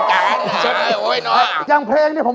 อย่างคนตายพูดไว้จริงไหม